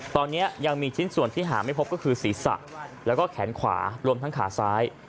ตอนนี้ยังมีชิ้นส่วนที่หาไม่พบก็คือศีรษะแล้วก็แขนขวารวมทั้งขาซ้าย